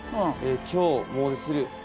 「今日もうでする」